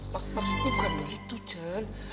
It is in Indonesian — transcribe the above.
maksudnya bukan begitu jen